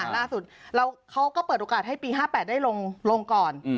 ล่าสุดเขาก็เปิดโอกาสให้ปี๕๘ได้ลงก่อน